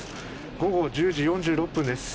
午後１０時４０分です。